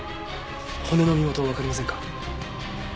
骨の身元はわかりませんか？